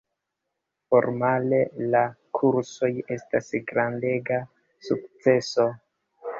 Formale, la kursoj estas grandega sukceso.